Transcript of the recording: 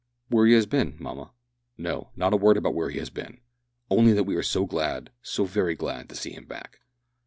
"Where he has been, mamma." "No, not a word about where he has been; only that we are so glad, so very glad, to see him back."